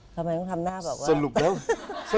ทำไมต้องทำหน้าแบบว่า